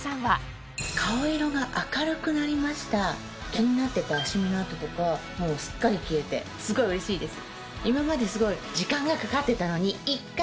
気になってたシミの痕とかもうすっかり消えてすごいうれしいです。